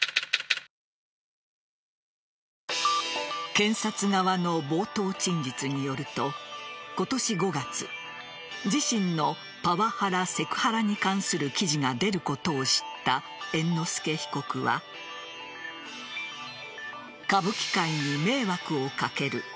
検察側の冒頭陳述によると今年５月、自身のパワハラ、セクハラに関する記事が出ることを知った猿之助被告は歌舞伎界に迷惑を掛ける。